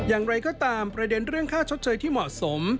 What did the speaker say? อย่างไรก็ตามประเด็นเรื่องค่าชดเชยที่เหมาะสม